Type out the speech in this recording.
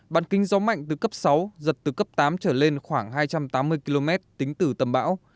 bản kinh gió mạnh từ cấp sáu giật từ cấp tám trở lên khoảng hai trăm tám mươi km tính từ tâm bão